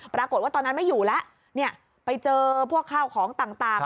ตอนนั้นไม่อยู่แล้วไปเจอพวกข้าวของต่าง